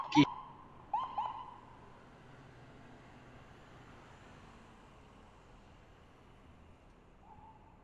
এরা পাকিস্তানের উত্তরাংশ ও উত্তরপশ্চিম সীমান্ত প্রদেশ এবং ভারতের জম্মু ও কাশ্মীর রাজ্যে বাস করে।